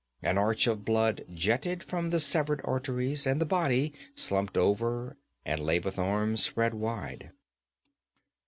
An arch of blood jetted from the severed arteries and the body slumped over and lay with arms spread wide.